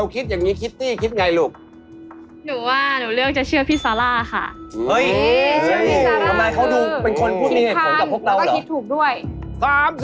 คิดทันแต่คิดผิดนะครับครับ